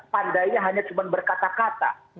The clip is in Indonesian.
pandainya hanya cuma berkata kata